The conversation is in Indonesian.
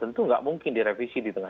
tentu nggak mungkin direvisi di tengah